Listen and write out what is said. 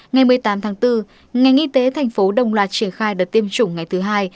ngày một mươi tám tháng bốn ngành y tế thành phố đồng loạt triển khai đợt tiêm chủng ngày thứ hai